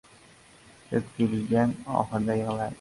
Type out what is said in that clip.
• Ko‘p kulgan oxirida yig‘laydi.